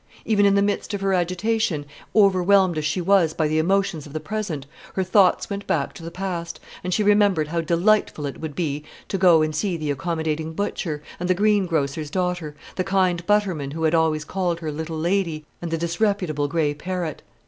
Even in the midst of her agitation, overwhelmed as she was by the emotions of the present, her thoughts went back to the past, and she remembered how delightful it would be to go and see the accommodating butcher, and the greengrocer's daughter, the kind butterman who had called her "little lady," and the disreputable gray parrot.